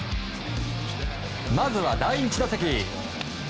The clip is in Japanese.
まずは第１打席。